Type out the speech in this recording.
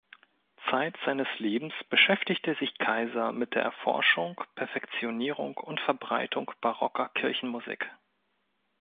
Zeit seines Lebens beschäftigte sich Kayser mit der Erforschung, Perfektionierung und Verbreitung barocker Kirchenmusik.